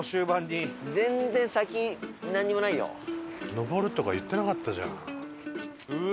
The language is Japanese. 上るとか言ってなかったじゃん。